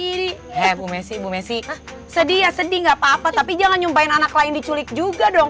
ini hay bume sih bume sih sedih sedih enggak apa tapi jangan nyobain anak lain diculik juga dong